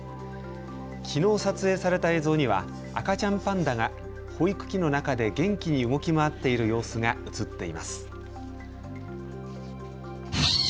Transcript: きのう撮影された映像には赤ちゃんパンダが保育器の中で元気に動き回っている様子が写っています。